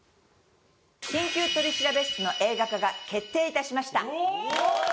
「緊急取調室」の映画化が決定いたしました！